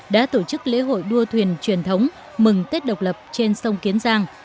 đã tổ chức lễ hội đua thuyền truyền thống mừng tết độc lập trên sông kiến giang